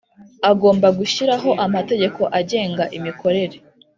Agomba gushyiraho amategeko agenga imikorere